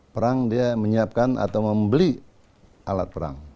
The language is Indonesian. perang dia menyiapkan atau membeli alat perang